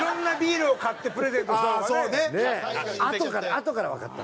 あとからわかった。